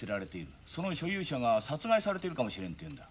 その所有者が殺害されているかもしれんというのだ。